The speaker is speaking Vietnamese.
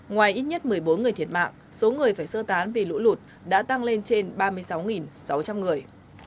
ngoài ít nhất một mươi bốn người thiệt mạng số người phải sơ tán vì lũ lụt đã tăng lên trên ba mươi sáu sáu trăm linh người